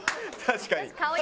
確かに。